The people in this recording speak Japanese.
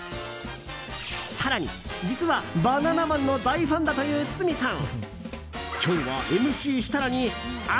更に、実はバナナマンの大ファンだという堤さん。